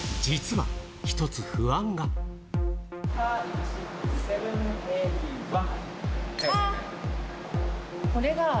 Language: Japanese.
実は、一つ不安が。